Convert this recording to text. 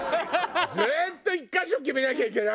ずっと１カ所に決めなきゃいけないの？